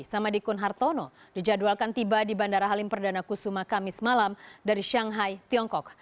samadikun hartono dijadwalkan tiba di bandara halim perdana kusuma kamis malam dari shanghai tiongkok